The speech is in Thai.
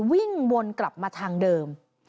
วิ่งวนกลับมาทางเดิม